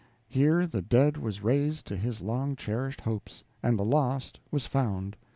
Here the dead was raised to his long cherished hopes, and the lost was found.